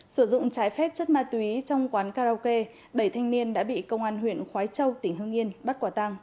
sử dụng trái phép chất ma túy trong quán karaoke bảy thanh niên đã bị công an huyện khói châu tỉnh hương yên bắt quả tăng